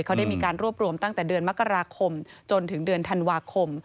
เขาได้มีการรวบรวมตั้งแต่เดือนมกราคมจนถึงเดือนธันวาคม